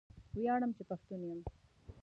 ویاړم چې پښتون یم